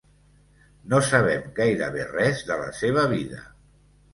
No sabem gairebé res de la seva vida.